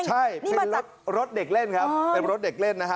ใช่เป็นรถเด็กเล่นครับเป็นรถเด็กเล่นนะฮะ